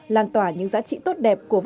lan tỏa những giá trị tốt đẹp của văn hóa